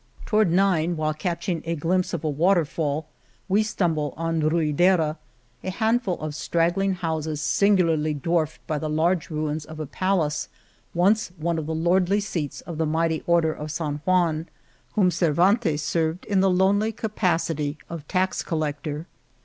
Toward nine, while catching 67 \. The Cave of Montesinos a glimpse of a waterfall, we stumble on Ru idera, a handful of straggling houses singu larly dwarfed by the huge ruins of a palace once one of the lordly seats of the mighty Order of San Juan, whom Cervantes served in the lonely capacity of tax collector.